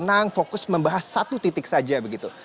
tenang fokus membahas satu titik saja begitu